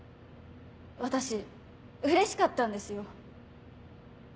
私うれしかったんですよ。